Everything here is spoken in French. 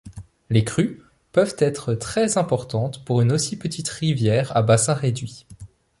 Les crues peuvent être très importantes pour une aussi petite rivière à bassin réduit.